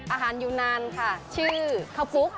อาหารยูนานค่ะชื่อคอปุ๊ก